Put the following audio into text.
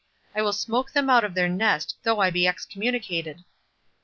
I will smoke them out of their nest, though I be excommunicated!"